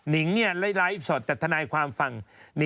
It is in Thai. นิ่งเนี่ยไล่ไล่สดแต่ทนายความฟัง